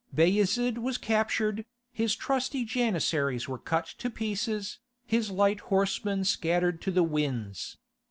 Bayezid was captured, his trusty Janissaries were cut to pieces, his light horsemen scattered to the winds.